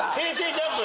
ＪＵＭＰ。